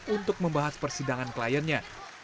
untuk membahas persidangan kliennya